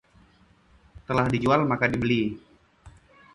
Telah dijual maka dibeli